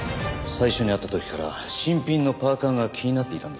最初に会った時から新品のパーカが気になっていたんです。